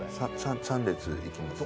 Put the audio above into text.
３列いきますね。